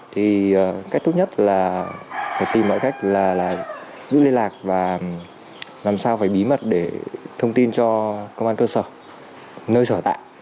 thì cách tốt nhất là phải tìm mọi cách là giữ liên lạc và làm sao phải bí mật để thông tin cho công an cơ sở